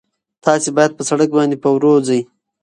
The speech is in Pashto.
تاسي باید په سړک باندې په ورو ځئ.